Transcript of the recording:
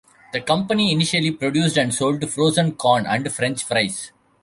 The company initially produced and sold frozen corn and French fries.